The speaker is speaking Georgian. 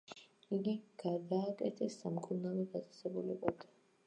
იგი გადააკეთეს სამკურნალო დაწესებულებად.